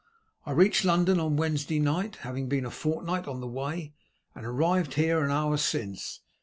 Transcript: I reached London on Wednesday night, having been a fortnight on the way, and I arrived here an hour since.